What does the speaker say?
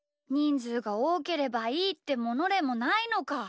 ずうがおおければいいってものでもないのか。